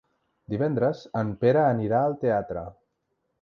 Divendres en Pere anirà al teatre.